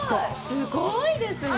すごいですね。